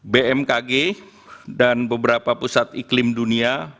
bmkg dan beberapa pusat iklim dunia